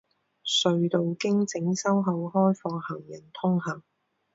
隧道经整修后开放行人通行。